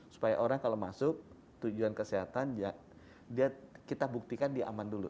supaya orang kalau masuk tujuan kesehatan kita buktikan dia aman dulu